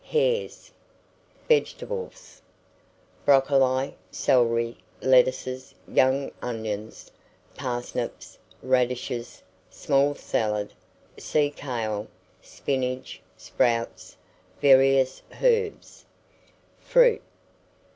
Hares. VEGETABLES. Broccoli, celery, lettuces, young onions, parsnips, radishes, small salad, sea kale, spinach, sprouts, various herbs. FRUIT.